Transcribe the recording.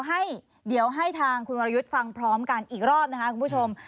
ให้เดี๋ยวให้ทางคุณวรยุทธ์ฟังพร้อมกันอีกรอบนะคะคุณผู้ชม